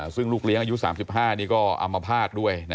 ซึ่งลูกเลี้ยงอายุ๓๕นี่ก็อัมพาตด้วย